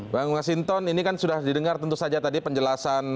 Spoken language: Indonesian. bang masinton ini kan sudah didengar tentu saja tadi penjelasan